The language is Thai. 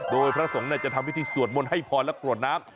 โดยพระสงฆ์จะทำพิธีสวดมนต์ให้พรและกรวดน้ำ